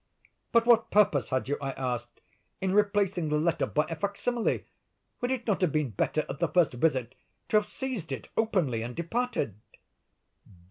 "But what purpose had you," I asked, "in replacing the letter by a fac simile? Would it not have been better, at the first visit, to have seized it openly, and departed?"